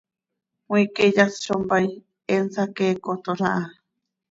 Cmiique yas zo mpaai, he nsaqueecotol aha.